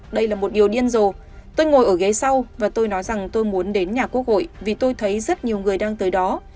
đây là một điều điên rồ tôi ngồi ở ghế sau và tôi nói rằng tôi muốn đến nhà quốc hội vì tôi thấy rất nhiều người đang tới đó